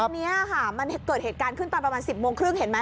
ทีนี้ค่ะมันเกิดเหตุการณ์ขึ้นตอนประมาณ๑๐โมงครึ่งเห็นไหม